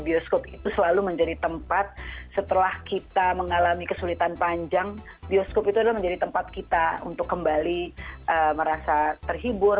bioskop itu selalu menjadi tempat setelah kita mengalami kesulitan panjang bioskop itu adalah menjadi tempat kita untuk kembali merasa terhibur